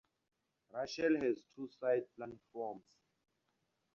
Rushall has two side platforms.